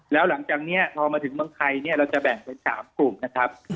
แล้วหลังจากนี้พอมาถึงเมืองไทยเนี่ยเราจะแบ่งเป็น๓กลุ่มนะครับ